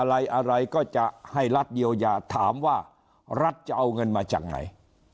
อะไรอะไรก็จะให้รัฐเยียวยาถามว่ารัฐจะเอาเงินมาจากไหน